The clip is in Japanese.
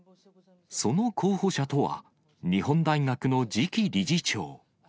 その候補者とは、日本大学の次期理事長。